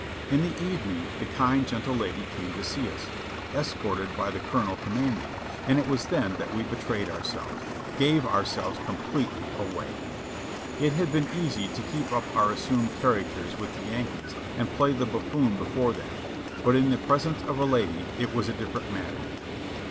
In the evening the kind, gentle lady came to see us, escorted by the colonel com manding, and it was then that we betrayed ourselves — gave our selves completely away. It had been easy to keep up our as sumed characters with the Yankees and play the buffoon before them, but in the presence of a lady it was a different matter.